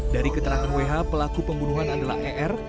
dari keterangan wh pelaku pembunuhan adalah er